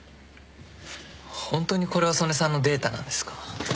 ホントにこれは曽根さんのデータなんですか？